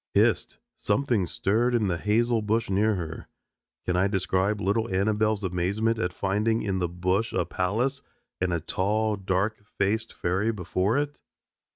Hist! Something stirred in the hazel bush near her. Can I describe little Annabelle's amazement at finding in the bush a palace and a tall and dark faced fairy before it?